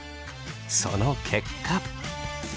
その結果。